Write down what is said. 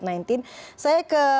saya ke pak elisabeth